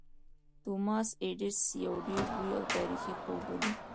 توماس ایډېسن یو ډېر لوی او تاریخي خوب ولید